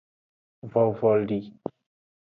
Vovoli.